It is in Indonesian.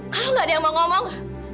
kau nggak ada yang mau ngomong